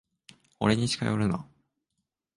俺に近寄るな。